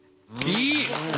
いい！